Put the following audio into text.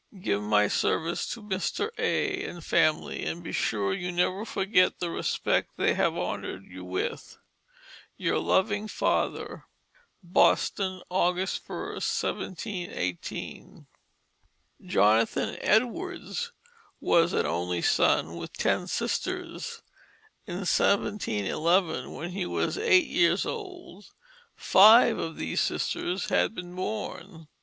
Give my service to Mr. A. and family and be sure you never forget the respect they have honoured you with. "Your loving father. "BOSTON, Aug. 1, 1718." Jonathan Edwards was an only son with ten sisters. In 1711, when he was eight years old, five of these sisters had been born.